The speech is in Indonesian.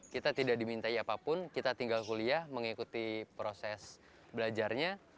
kita tidak dimintai apapun kita tinggal kuliah mengikuti proses belajarnya